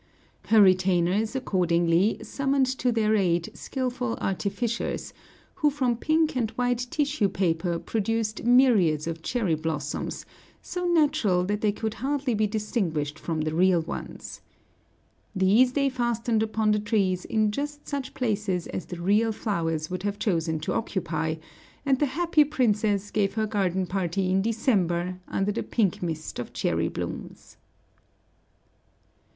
Her retainers accordingly summoned to their aid skillful artificers, who from pink and white tissue paper produced myriads of cherry blossoms, so natural that they could hardly be distinguished from the real ones. These they fastened upon the trees in just such places as the real flowers would have chosen to occupy, and the happy princess gave her garden party in December under the pink mist of cherry blooms.